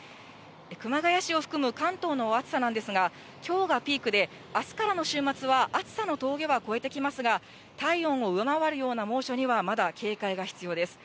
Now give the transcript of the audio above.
熊谷市を含む関東の暑さなんですが、きょうがピークで、あすからの週末は暑さの峠は越えてきますが、体温を上回るような猛暑にはまだ警戒が必要です。